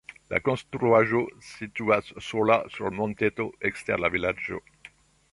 La konstruaĵo situas sola sur monteto ekster la vilaĝo.